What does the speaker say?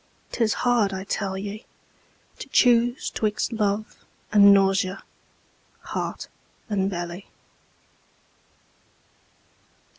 'Tis hard, I tell ye, To choose 'twixt love and nausea, heart and belly.